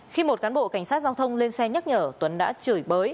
khi một cán bộ cảnh sát giao thông lên xe nhắc nhở tuấn đã chửi bới